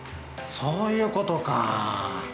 そういうことか。